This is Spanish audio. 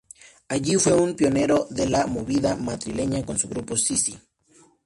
Allí fue un pionero de la Movida madrileña con su grupo Sissi.